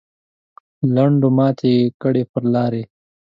لنډو ماتې کړې پر لارې.